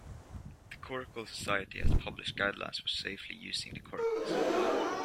The Coracle Society has published guidelines for safely using coracles.